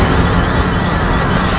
saya akan membaca